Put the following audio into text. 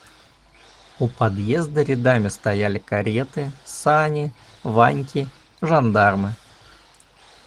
У подъезда рядами стояли кареты, сани, ваньки, жандармы.